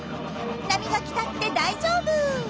波が来たって大丈夫。